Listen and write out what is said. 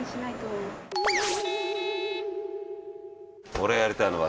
俺がやりたいのが。